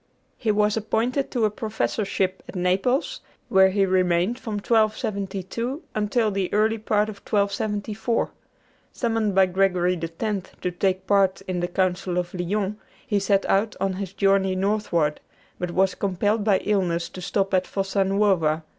He was appointed to a professorship at Naples, where he remained from 1272 until the early part of 1274. Summoned by Gregory X. to take part in the Council of Lyons, he set out on his journey northward, but was compelled by illness to stop at Fossa Nuova.